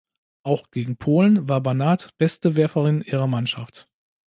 Auch gegen Polen war Barnard beste Werferin ihrer Mannschaft.